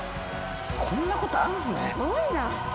こんなことあるんですね。